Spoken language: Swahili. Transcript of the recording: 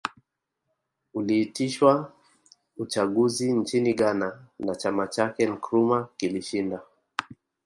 Uliitishwa uchaguzi nchini Ghana na chama chake Nkrumah kilishinda